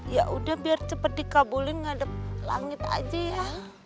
yaudah biar cepet dikabulin ngadep langit aja ya